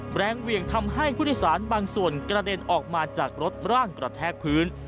แรงเหวี่ยงทำให้ผู้โดยสารบางส่วนกระเด็นออกมาจากรถร่างกระแทกพื้น